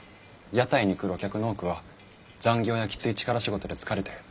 屋台に来るお客の多くは残業やきつい力仕事で疲れてる。